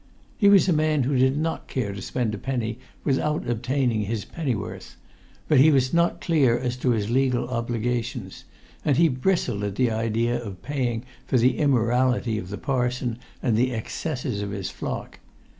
He was a man who did not care to spend a penny without obtaining his pennyworth; but he was not clear as to his legal obligations; and he bristled at the idea of paying for the immorality of the parson and the excesses of his flock.